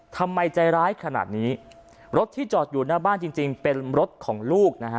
ทำไมใจร้ายขนาดนี้รถที่จอดอยู่หน้าบ้านจริงจริงเป็นรถของลูกนะฮะ